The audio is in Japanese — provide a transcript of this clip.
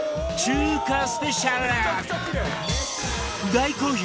大好評！